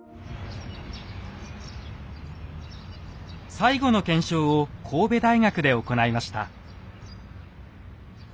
最後の検証を神戸大学で行いました。